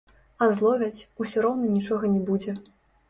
А зловяць, усё роўна нічога не будзе.